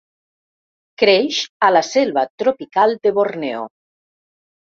Creix a la selva tropical de Borneo.